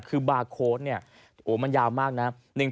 คือบาร์โค้ดเนี่ยโอ้โหมันยาวมากนะ